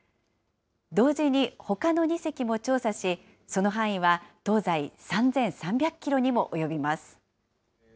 同時にほかの２隻も調査し、その範囲は東西３３００キロにも及びます。